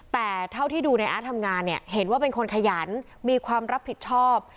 แต่เท่าที่ดูในอาร์ตทำงานเนี่ยเห็นว่าเป็นคนขยันมีความรับผิดชอบ